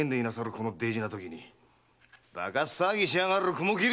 この大事なときにバカ騒ぎしやがる雲切は許せねえ！